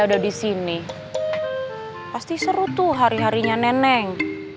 ada di sini pasti seru tuh hari harinya neneng